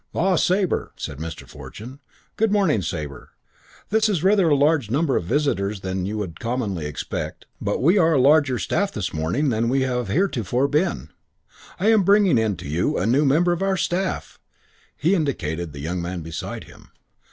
"Ah, Sabre," said Mr. Fortune. "Good morning, Sabre. This is rather a larger number of visitors than you would commonly expect, but we are a larger staff this morning than we have heretofore been. I am bringing in to you a new member of our staff." He indicated the young man beside him.